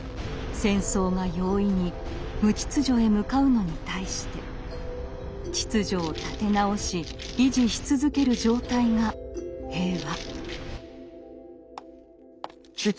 戦争が容易に「無秩序」へ向かうのに対して秩序を立て直し維持し続ける状態が平和。